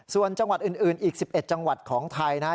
ส่วนจังหวัดอื่นอีก๑๑จังหวัดของไทยนะครับ